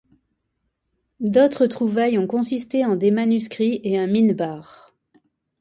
D'autres trouvailles ont consisté en des manuscrits et un minbar.